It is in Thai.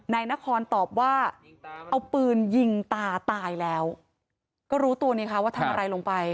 นายนครตอบว่าเอาปืนยิงตาตายแล้วก็รู้ตัวนี่คะว่าทำอะไรลงไป